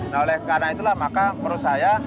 nah oleh karena itulah maka menurut saya